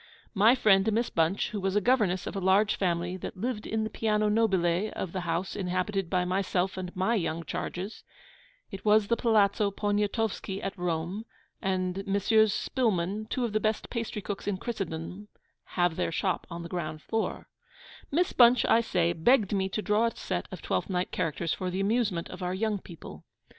My friend Miss Bunch, who was governess of a large family that lived in the Piano Nobile of the house inhabited by myself and my young charges (it was the Palazzo Poniatowski at Rome, and Messrs. Spillmann, two of the best pastrycooks in Christendom, have their shop on the ground floor): Miss Bunch, I say, begged me to draw a set of Twelfth Night characters for the amusement of our young people.